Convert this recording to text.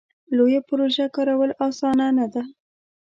لویه پروژه کارول اسانه نه ده.